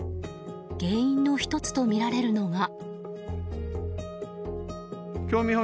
原因の１つとみられるのが。